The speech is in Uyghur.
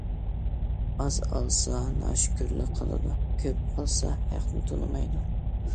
ئاز ئالسا، ناشۈكۈرلۈك قىلىدۇ، كۆپ ئالسا، ھەقنى تونۇمايدۇ.